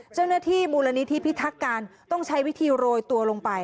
เจ้าหน้าที่มูลนิธิพิทักการต้องใช้วิธีโรยตัวลงไป